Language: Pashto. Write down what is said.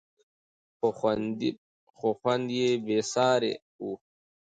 خو خوند یې بېساری و.